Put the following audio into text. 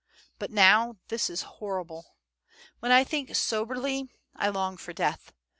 But now this is horrible. ... When I think soberly, I long for death.